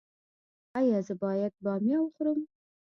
ایا زه باید بامیه وخورم؟